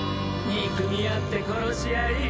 憎み合って殺し合い。